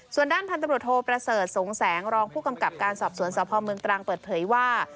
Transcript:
ส่วนด้านพันตำรวจโทประเสริฐสงแสงรองผู้กำกับการสอบสวนสพเมืองตรังเปิดเผยว่า